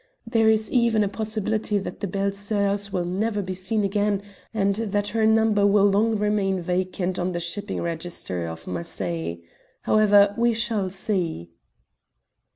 There is even a possibility that the Belles Soeurs will never be seen again, and that her number will long remain vacant on the shipping register of Marseilles. However, we shall see."